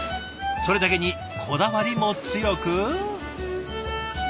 それだけにこだわりも強く。